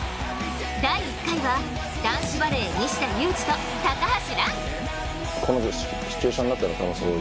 第１回は男子バレー西田有志と高橋藍。